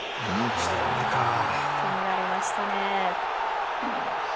止められましたね。